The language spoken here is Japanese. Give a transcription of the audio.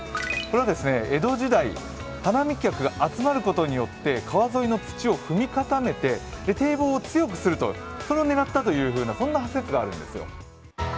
これは江戸時代、花見客が集まることによって川沿いの土を踏み固めて堤防を強くすることを狙ったという説があるんですよ。